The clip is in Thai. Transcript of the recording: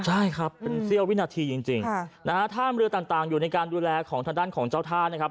ใช่ครับเป็นเสี้ยววินาทีจริงนะฮะท่ามเรือต่างอยู่ในการดูแลของทางด้านของเจ้าท่านะครับ